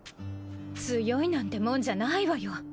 強いなんてもんじゃないわよ。